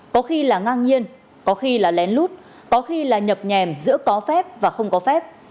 có khi là ngang nhiên có khi là lén lút có khi là nhập nhèm giữa có phép và không có phép